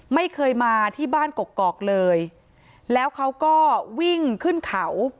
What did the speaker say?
ไม่เคยมาที่บ้านกกอกเลยแล้วเขาก็วิ่งขึ้นเขา